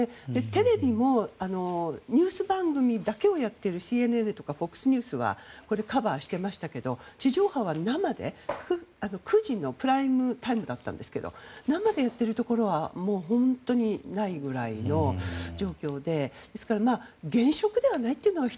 テレビもニュース番組だけをやっているＣＮＮとかＦＯＸニュースはカバーしていましたが地上波は生で９時のプライムタイムだったんですが生でやっているところは本当にないくらいの状況で。